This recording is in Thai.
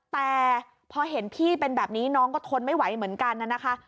แต่พอเห็นพี่เป็นแบบนี้น้องก็ทนไม่ไหวเหมือนกันนะคะ